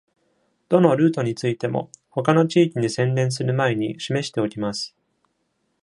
どのルートについても、他の地域に宣伝する前に示しておきます。